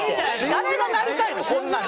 誰がなりたいのこんなに。